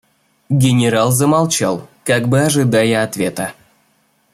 Генерал замолчал, как бы ожидая ответа.